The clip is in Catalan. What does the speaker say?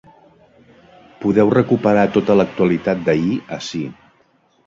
Podeu recuperar tota l’actualitat d’ahir ací.